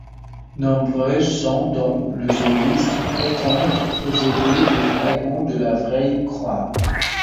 Nombreuses sont donc les églises qui prétendent posséder des fragments de la Vraie Croix.